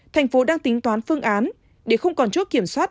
thành phố đang tính toán phương án để không còn chốt kiểm soát